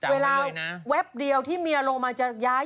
เวลาแวบเดียวที่เมียลงมาจะย้ายจากที่เบาะหลัง